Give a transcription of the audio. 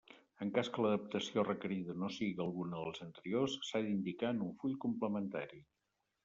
En cas que l'adaptació requerida no siga alguna de les anteriors, s'ha d'indicar en un full complementari.